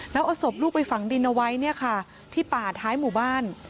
แล้วเอาศพลูกไปฝังดินเอาไว้เนี่ยค่ะที่ป่าท้ายหมู่บ้าน